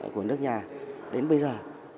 của nước nhà đến bây giờ